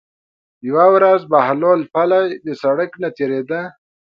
یوه ورځ بهلول پلي د سړک نه تېرېده.